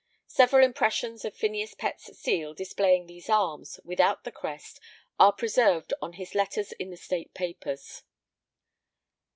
Several impressions of Phineas Pett's seal displaying these arms, without the crest, are preserved on his letters in the State Papers.